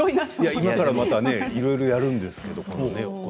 今からいろいろやるんですよね。